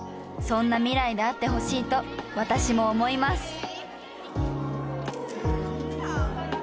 そんな未来であってほしいと私も思います。